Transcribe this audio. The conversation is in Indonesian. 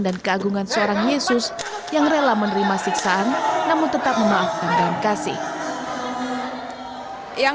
dan keagungan seorang yesus yang rela menerima siksaan namun tetap memaafkan dan kasih yang